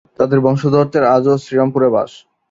তাদের বংশধরদের আজও শ্রীরামপুরে বাস।